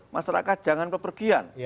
masyarakat jangan kepergian